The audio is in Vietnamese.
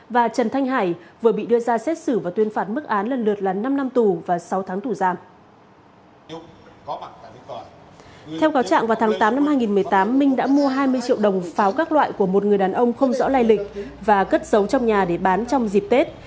và cất giấu trong nhà để bán trong dịp tết